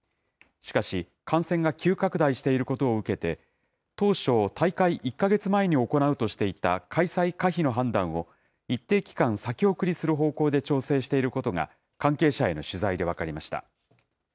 しかし、感染が急拡大していることを受けて、当初、大会１か月前に行うとしていた開催可否の判断を、一定期間先送りする方向で調整していることが、関係者への取材で分かりました。